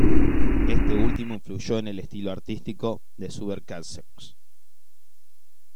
Este último influyó en el estilo artístico de Subercaseaux.